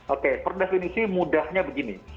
oke per definisi mudahnya begini